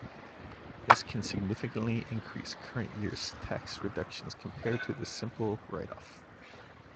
This can significantly increase current year's tax reductions compared to the simple write off.